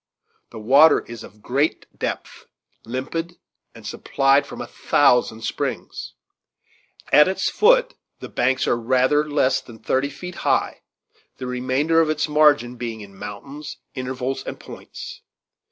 The water is of great depth, limpid, and supplied from a thousand springs. At its foot the banks are rather less than thirty feet high the remainder of its margin being in mountains, intervals, and points.